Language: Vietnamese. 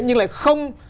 nhưng lại không